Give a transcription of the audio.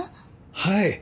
はい！